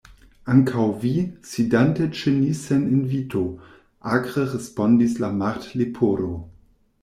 "Ankaŭ vi, sidante ĉe ni sen invito," akre respondis la Martleporo.